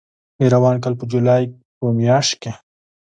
د روان کال په جولای په میاشت کې